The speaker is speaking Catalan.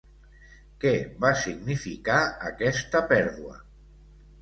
Què va significar aquesta pèrdua?